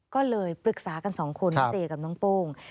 ก็เลยปรึกษากันสองคนน้องเจกับน้องโป้ง